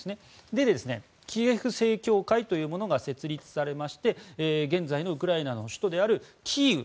で、キエフ正教会というものが設立されまして現在のウクライナの首都であるキーウ